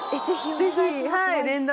ぜひ。